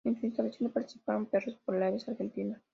En su instalación participaron perros polares argentinos.